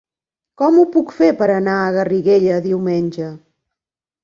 Com ho puc fer per anar a Garriguella diumenge?